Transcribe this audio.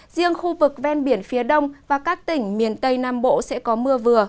riêng khu vực ven biển phía đông và các tỉnh miền tây nam bộ sẽ có mưa vừa